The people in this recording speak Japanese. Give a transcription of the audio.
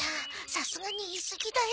さすがに言いすぎだよ。